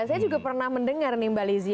saya juga pernah mendengar nih mbak lizzie